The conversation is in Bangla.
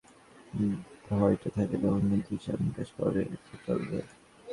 কিন্তু যদি ভেতরে মার খাওয়ার ভয়টা থাকে, তখন কিন্তু হিসাব-নিকাশ করে চলবে।